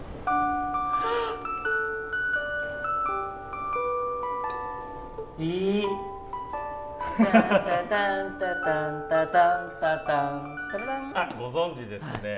あっご存じですね。